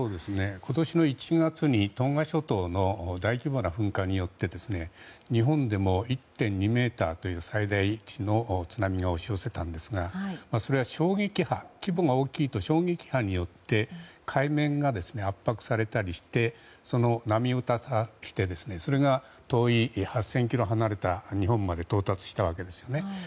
今年の１月にトンガ諸島の大規模な噴火によって日本でも１．２ｍという最大値の津波が押し寄せたんですがそれは規模が大きいと衝撃波によって海面が圧迫されたりして波を立たせてそれが遠い８０００ｋｍ離れた日本まで到達したわけですね。